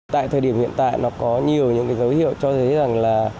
tại thời điểm hiện tại nó có nhiều những cái dấu hiệu cho thấy rằng là